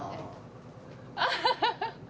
アハハハ！